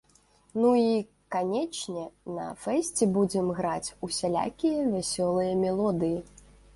Ну і, канечне, на фэсце будзем граць усялякія вясёлыя мелодыі.